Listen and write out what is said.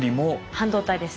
半導体です。